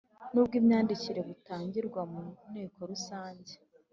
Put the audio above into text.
n ubw imyandikire butangirwa mu Nteko Rusange